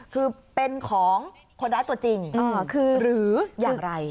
คือเป็นของคนร้ายตัวจริงหรืออย่างไร